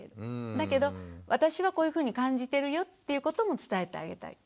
だけど私はこういうふうに感じてるよっていうことも伝えてあげたい。